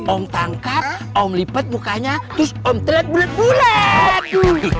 om tangkap om lipat mukanya terus om terlihat bulet bulet